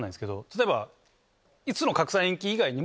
例えば。